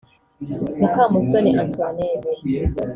Mukamusoni Antoinette